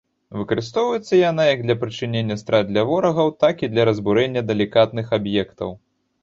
Выкарыстоўваецца яна як для прычынення страт для ворагаў, так і для разбурэння далікатных аб'ектаў.